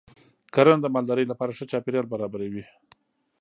کرنه د مالدارۍ لپاره ښه چاپېریال برابروي.